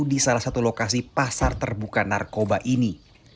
di salah satu lokasi pasar terbuka narkoba ini